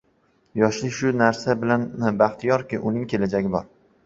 Yoshlik shu narsa bilan baxtiyorki, uning kelajagi bor.